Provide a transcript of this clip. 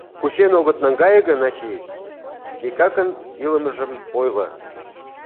— Кучен огыт наҥгае гын, ачий, Микакын илымыжым ойло.